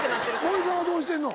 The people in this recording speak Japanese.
森さんはどうしてんの？